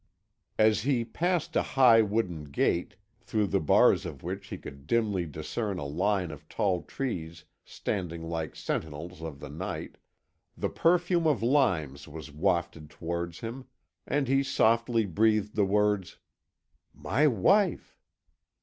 As he passed a high wooden gate, through the bars of which he could dimly discern a line of tall trees standing like sentinels of the night, the perfume of limes was wafted towards him, and he softly breathed the words: "My wife!"